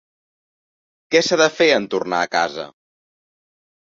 Què s’ha de fer en tornar a casa?